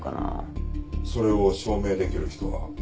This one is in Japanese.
「それを証明できる人は？」